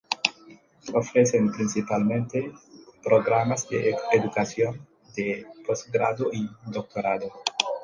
Ofrecen principalmente programas de educación de postgrado y doctorado.